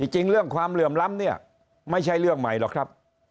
เรื่องความเหลื่อมล้ำเนี่ยไม่ใช่เรื่องใหม่หรอกครับ